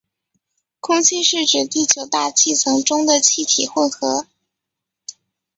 空气是指地球大气层中的气体混合。